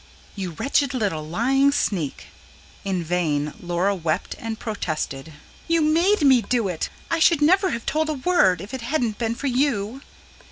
"You wretched little lying sneak!" In vain Laura wept and protested. "You made me do it. I should never have told a word, if it hadn't been for you."